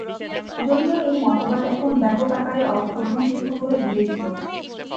যদিও এই মতবাদ এখন ব্যাপক আকারে অগ্রহণযোগ্য বলে বিবেচিত।